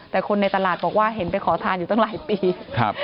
แต่คนในตลาดบอกว่าเห็นไปขอทานอยู่ตั้งหลายปีครับ